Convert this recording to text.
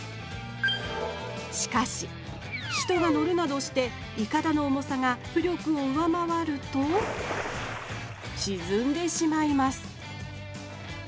しかし人が乗るなどしていかだの重さが浮力を上回るとしずんでしまいます